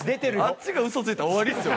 あっちがウソついたら終わりっすよ。